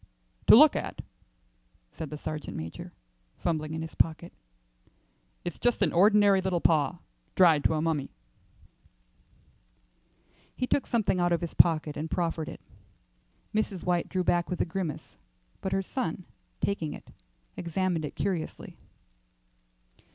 "To look at," said the sergeant major, fumbling in his pocket, "it's just an ordinary little paw, dried to a mummy." He took something out of his pocket and proffered it. Mrs. White drew back with a grimace, but her son, taking it, examined it curiously.